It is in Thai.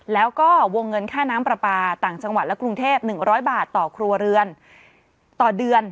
แล้วก็วงเงินค่าน้ำปลาปลาต่างจังหวัดและกรุงเทพ๑๐๐บาทต่อครัวเรือนต่อเดือน